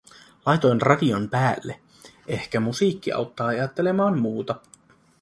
Laitoin radion päälle, ehkä musiikki auttaa ajattelemaan muuta.